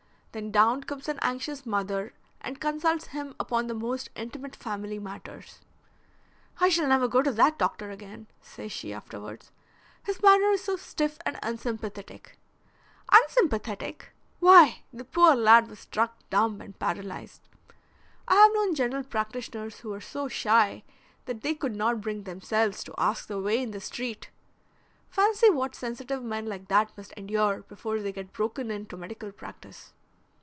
Then down comes an anxious mother and consults him upon the most intimate family matters. 'I shall never go to that doctor again,' says she afterwards. 'His manner is so stiff and unsympathetic.' Unsympathetic! Why, the poor lad was struck dumb and paralysed. I have known general practitioners who were so shy that they could not bring themselves to ask the way in the street. Fancy what sensitive men like that must endure before they get broken in to medical practice.